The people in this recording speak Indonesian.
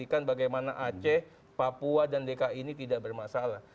memastikan bagaimana aceh papua dan dki ini tidak bermasalah